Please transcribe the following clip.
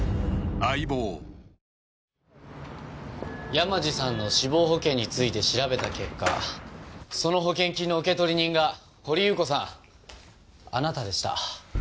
山路さんの死亡保険について調べた結果その保険金の受取人が掘祐子さんあなたでした。